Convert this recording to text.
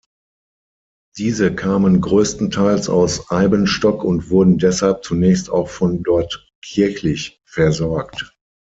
Diese kamen größtenteils aus Eibenstock und wurden deshalb zunächst auch von dort kirchlich versorgt.